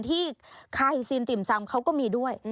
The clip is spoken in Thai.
ที่คาซินติ่มซำเขาก็มีด้วย